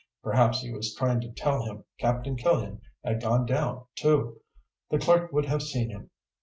Perhaps he was trying to tell him Captain Killian had gone down, too. The clerk would have seen him.